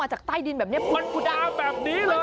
จากใต้ดินแบบนี้มันกุดาแบบนี้เลย